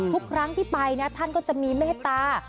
ทุกครั้งที่ไปนะท่านก็จะมีเมตตา